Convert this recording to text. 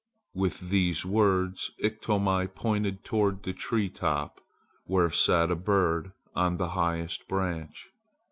With these words Iktomi pointed toward the tree top, where sat a bird on the highest branch.